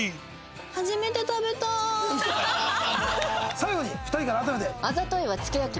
最後に２人から改めて。